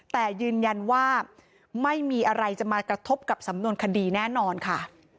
แต่ยืนยันว่าไม่มีอะไรจะมากระทบกับสำนวนคดีแน่นอนค่ะ